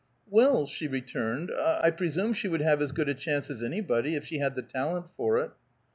"Well," she returned, "I presume she would have as good a chance as anybody, if she had the talent for it."